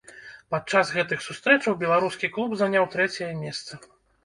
Падчас гэтых сустрэчаў беларускі клуб заняў трэцяе месца.